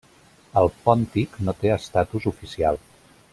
El pòntic no té estatus oficial.